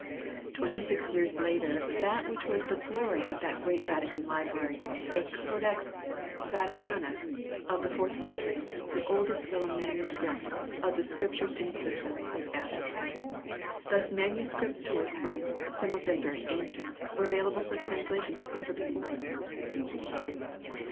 Twenty six years later that which is the glory of that great Vatican Library the Codex Vaticanus of the fourth century, the oldest vellum MS. of the Scrip tures in existence was added. Thus MSS. to work from, some of them very ancient, were available for translation as never before.